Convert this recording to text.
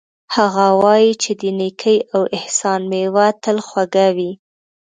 هغه وایي چې د نیکۍ او احسان میوه تل خوږه وي